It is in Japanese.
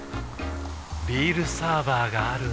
ビールサーバーがある夏。